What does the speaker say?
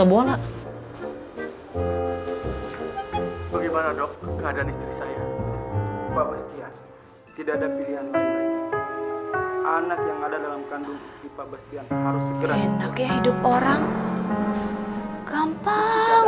aku akan mencuri buang buang